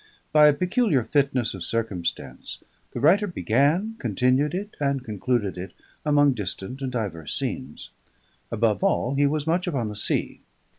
By a peculiar fitness of circumstance the writer began, continued it, and concluded it among distant and diverse scenes. Above all, he was much upon the sea.